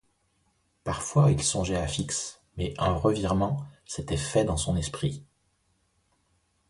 Parfois, il songeait à Fix, mais un revirement s’était fait dans son esprit.